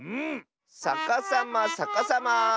さかさまさかさま。